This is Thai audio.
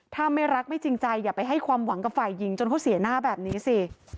ถ้าไม่รักไม่จริงใจอย่าไปให้ความหวังกับฝ่ายหญิงจนเขาเสียหน้าแบบนี้สิ